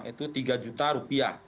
yaitu tiga juta rupiah